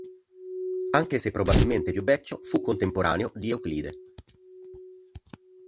Anche se probabilmente più vecchio, fu contemporaneo di Euclide.